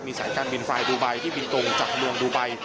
สายการบินไฟล์ดูไบที่บินตรงจากเมืองดูไบ